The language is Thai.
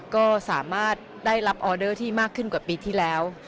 ก็สามารถได้รับออเดอร์ที่มากขึ้นกว่าปีที่แล้ว